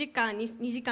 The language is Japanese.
２時間？